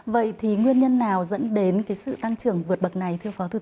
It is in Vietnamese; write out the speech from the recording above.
vậy thì nguyên nhân nào dẫn đến sự tăng trưởng vượt bậc này